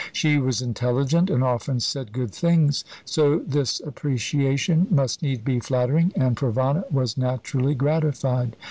She was intelligent, and often said good things; so this appreciation must needs be flattering, and Provana was naturally gratified.